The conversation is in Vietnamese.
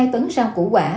một mươi hai tấn rau củ quả